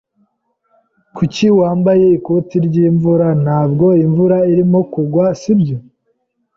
Kuki wambaye ikoti ryimvura? Ntabwo imvura irimo kugwa, si byo?